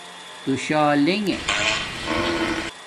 تُشالنݣ